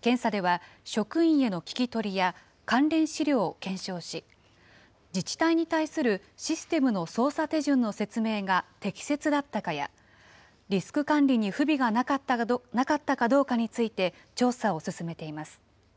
検査では、職員への聞き取りや、関連資料を検証し、自治体に対するシステムの操作手順の説明が適切だったかや、リスク管理に不備がなかったかどうかについて調査を進めています。